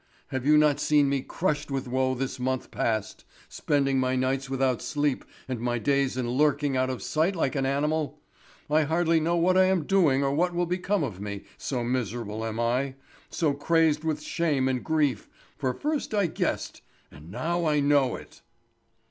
Have you not seen me crushed with woe this month past, spending my nights without sleep and my days in lurking out of sight like an animal? I hardly know what I am doing or what will become of me, so miserable am I, so crazed with shame and grief; for first I guessed—and now I know it."